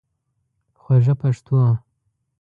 خوږه پښتو